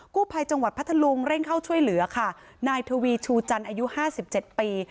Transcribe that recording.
กู้ภัยจังหวัดพัทธลุงเร่งเข้าช่วยเหลือค่ะนายทวีชูจันทร์อายุห้าสิบเจ็ดปี